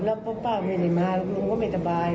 เพราะว่าป้าไม่ได้มามันก็ไม่สบาย